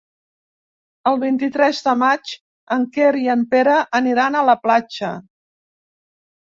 El vint-i-tres de maig en Quer i en Pere aniran a la platja.